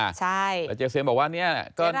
แต่เจ๊เซียมบอกว่าเนี่ย